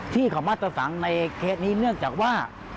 ที่เขามาตรสังในเคสนี้เนื่องจากว่า